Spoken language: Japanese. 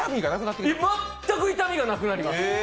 全く痛みがなくなります。